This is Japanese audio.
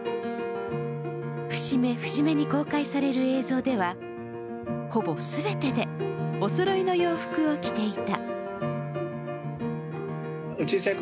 節目節目に公開される映像ではほぼ全てでおそろいの洋服を着ていた。